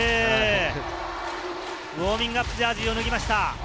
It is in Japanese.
ウオーミングアップジャージーを脱ぎました。